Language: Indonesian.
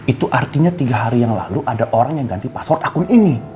itu artinya tiga hari yang lalu ada orang yang ganti password akun ini